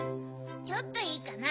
ちょっといいかな？